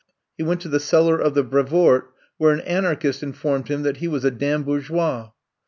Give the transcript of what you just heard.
He went to the cellar of the Brevoort where an anarchist informed him that he was a damn bourgeois.